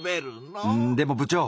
「うんでも部長！」。